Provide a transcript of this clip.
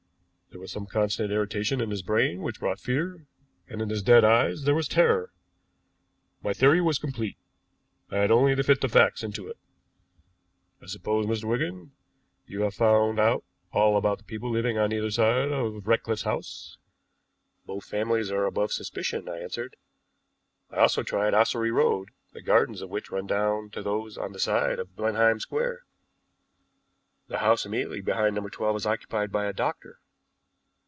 There was some constant irritation in his brain which brought fear, and in his dead eyes there was terror. My theory was complete; I had only to fit the facts into it. I suppose, Mr. Wigan, you have found out all about the people living on either side of Ratcliffe's house?" "Both are families above suspicion," I answered. "I also tried Ossery Road, the gardens of which run down to those on that side of Blenheim Square. The house immediately behind No. 12 is occupied by a doctor."